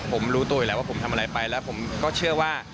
ผมรู้ตัวอยู่แล้วว่าผมทำอะไรไปแล้วผมก็เชื่อว่า